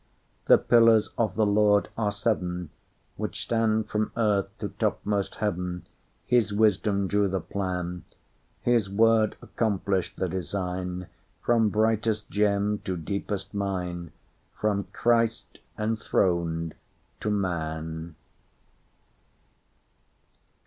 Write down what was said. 'The pillars of the Lord are seven, Which stand from earth to topmost heaven; His Wisdom drew the plan; His Word accomplished the design, From brightest gem to deepest mine, From CHRIST enthroned to Man.